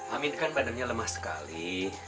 amin kan badannya lemah sekali